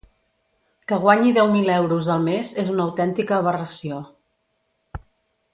Que guanyi deu mil euros al mes és una autèntica aberració.